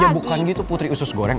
ya bukan gitu putri usus goreng